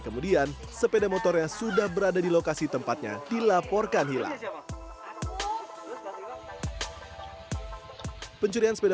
kemudian sepeda motor yang sudah berada di lokasi tempatnya dilaporkan hilang pencurian sepeda